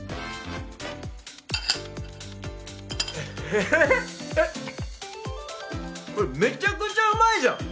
えっこれめちゃくちゃうまいじゃん！